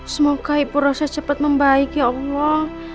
semoga ibu rosa cepat membaiki allah